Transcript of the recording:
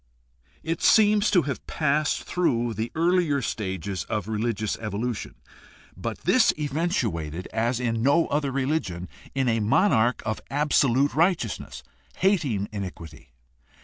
It seems to have passed through the earlier stages of religious evolution; but this eventuated, as THE HISTORICAL STUDY OF RELIGION 45 in no other religion, in a monarch of absolute righteousness, hating iniquity.